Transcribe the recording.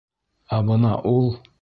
Ә бына ул...